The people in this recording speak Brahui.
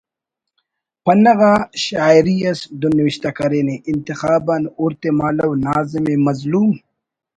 پنہ غا شاعری اس دُن نوشتہ کرینے: انتخاب آن ہُر تے مہالو ناظم ءِ مظلوم